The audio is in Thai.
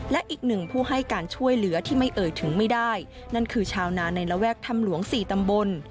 และอีกหนึ่งผู้ให้การช่วยเหลือที่ไม่เอ่ยถึงไม่ได้นั่นคือชาวนาในระแวกถ้ำหลวงสี่ตำบล